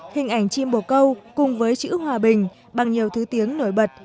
hình ảnh chim bồ câu cùng với chữ hòa bình bằng nhiều thứ tiếng nổi bật